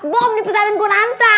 bom di pesantren kunanta